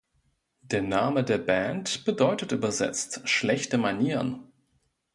Der Name der Band bedeutet übersetzt „Schlechte Manieren“.